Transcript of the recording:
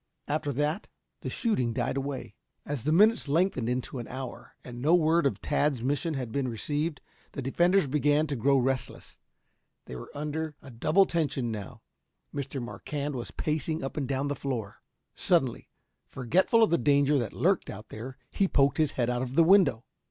After that, the shooting died away. As the minutes lengthened into an hour, and no word of Tad's mission had been received, the defenders began to grow restless. They were under a double tension now. Mr. Marquand was pacing up and down the floor. Suddenly, forgetful of the danger that lurked out there, he poked his head out of the window.